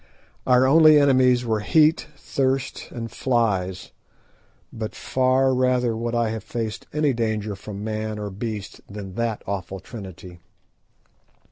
Our only enemies were heat, thirst, and flies, but far rather would I have faced any danger from man or beast than that awful trinity.